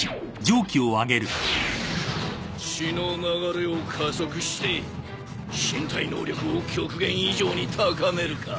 血の流れを加速して身体能力を極限以上に高めるか。